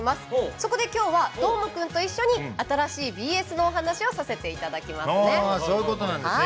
そこで今日はどーもくんと一緒に新しいＢＳのお話をさせていただきますね。